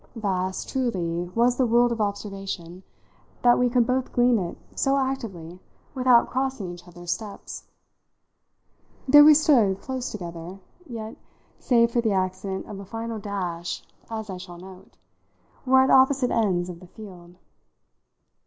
Vast, truly, was the world of observation, that we could both glean in it so actively without crossing each other's steps. There we stood close together, yet save for the accident of a final dash, as I shall note were at opposite ends of the field.